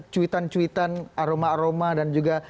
cuitan cuitan aroma aroma dan juga